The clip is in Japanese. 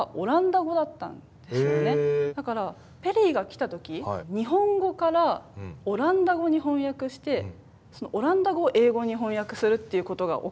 だからペリーが来た時日本語からオランダ語に翻訳してそのオランダ語を英語に翻訳するっていうことが行われてたんです。